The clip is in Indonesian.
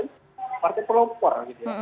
dengan kelepasan yang kelopor